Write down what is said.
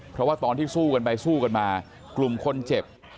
เพราะว่าตอนที่สู้กันไปสู้กันมากลุ่มคนเจ็บ